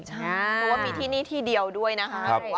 เพราะว่ามีที่นี่ที่เดียวด้วยนะคะ